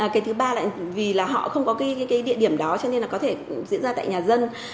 cái thứ ba là vì là họ không có cái địa điểm đó cho nên là có thể diễn ra tại nhà dân